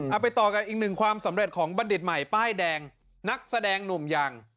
ไปต่อกันอีกหนึ่งความสำเร็จของบัณฑิตใหม่ป้ายแดงนักแสดงหนุ่มอย่าง